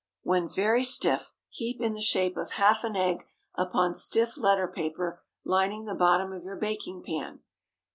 When very stiff, heap in the shape of half an egg upon stiff letter paper lining the bottom of your baking pan.